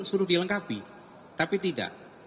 suruh dilengkapi tapi tidak